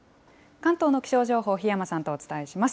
関東の気象情報、檜山さんとお伝えします。